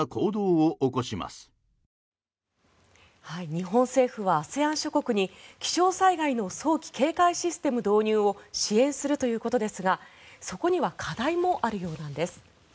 日本政府はＡＳＥＡＮ諸国に気象災害の早期警戒システム導入を支援するということですがそこには課題もあるようなんです。